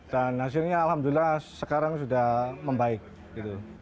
dan hasilnya alhamdulillah sekarang sudah membaik gitu